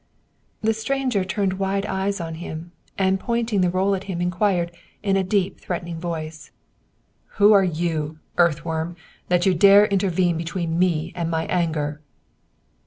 " The stranger turned wide eyes on him, and pointing the roll at him inquired, in a deep, threatening voice, " Who are you, earthworm, that you dare intervene between me and my anger